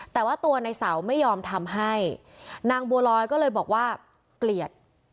แต่ว่าตัวในเสาไม่ยอมทำให้นางบัวลอยก็เลยบอกว่าเกลียด